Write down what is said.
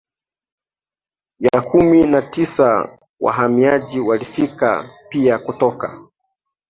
ya kumi na tisa wahamiaji walifika pia kutoka